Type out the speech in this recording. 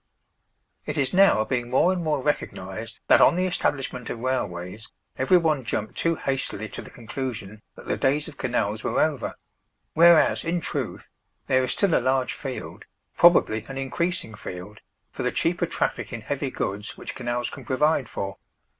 {129a} It is now being more and more recognised that, on the establishment of railways, everyone jumped too hastily to the conclusion that the days of canals were over; whereas, in truth, there is still a large field, probably an increasing field, for the cheaper traffic in heavy goods, which canals can provide for.